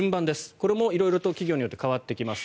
これも色々と企業によって変わってきます。